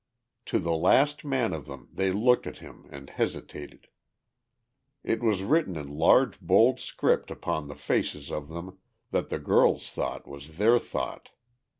To the last man of them they looked at him and hesitated. It was written in large bold script upon the faces of them that the girl's thought was their thought.